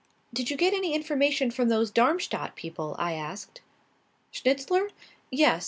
"Did you get any information from those Darmstadt people?" I asked. "Schnitzler? Yes.